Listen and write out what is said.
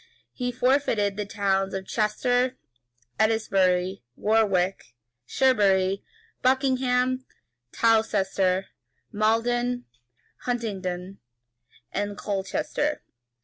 He fortified the towns of Chester, Eddesbury, Warwick, Cherbury, Buckingham, Towcester, Maldon, Huntingdon, and Colchester.